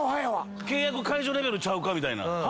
契約解除レベルちゃうかみたいな。